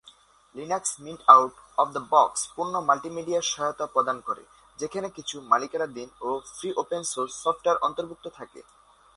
Linux Mint out of the box পূর্ণ multimedia সহায়তা প্রদান করে, যেখানে কিছু মালিকানাধীন ও ফ্রি-ওপেন সোর্স সফটওয়্যার অন্তর্ভুক্ত থাকে।